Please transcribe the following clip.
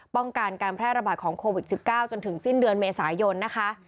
ป้องกันการแพร่ระบาดของโควิด๑๙จนถึงสิ้นเดือนเมษายนนะคะ